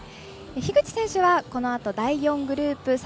樋口選手はこのあと第４グループ。